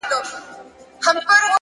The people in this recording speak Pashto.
نیک چلند د دوستۍ ریښې ژوروي!